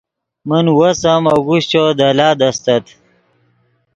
من وس ام اگوشچو دے لاد استت